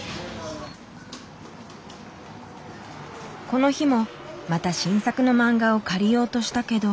この日もまた新作のマンガを借りようとしたけど。